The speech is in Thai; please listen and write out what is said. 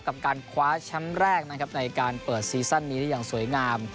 กับการคว้าแชมป์แรกนะครับในการเปิดซีซั่นนี้ได้อย่างสวยงาม